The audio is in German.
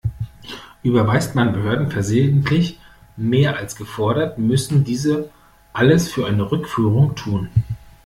Überweist man Behörden versehentlich mehr als gefordert, müssen diese alles für eine Rückführung tun.